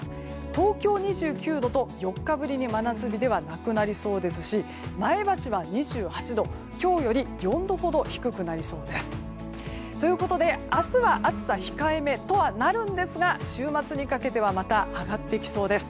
東京は２９度と、４日ぶりに真夏日ではなくなりそうですし前橋は２８度、今日より４度ほど低くなりそうです。ということで明日は暑さが控えめとはなるんですが週末にかけてはまた上がっていきそうです。